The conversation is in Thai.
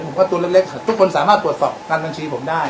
ผมก็ตัวเล็กทุกคนสามารถตรวจสอบการบัญชีผมได้